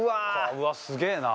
うわっすげえな！